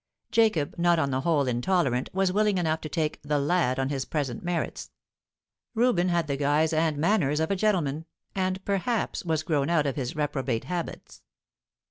Jacob, not on the whole intolerant, was willing enough to take "the lad" on his present merits; Reuben had the guise and manners of a gentleman, and perhaps was grown out of his reprobate habits.